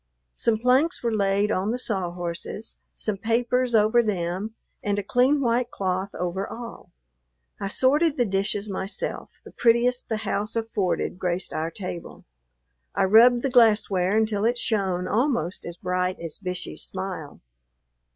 Some planks were laid on the saw horses, some papers over them, and a clean white cloth over all. I sorted the dishes myself; the prettiest the house afforded graced our table. I rubbed the glassware until it shone almost as bright as Bishey's smile.